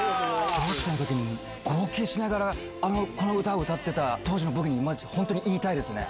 小学生のときに号泣しながら、この歌を歌っていた当時の僕に今、言いたいですね。